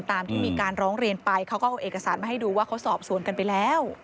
ตามที่มีการร้องเรียนไปเขาก็เอาเอกสารมาให้ดูว่าเขาสอบสวนกันไปแล้ว